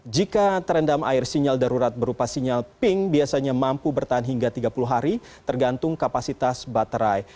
jika terendam air sinyal darurat berupa sinyal pink biasanya mampu bertahan hingga tiga puluh hari tergantung kapasitas baterai